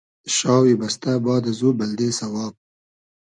شاوی بئستۂ باد ازو بلدې سئواب